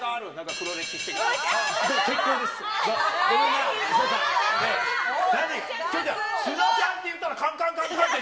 黒歴史的なこと。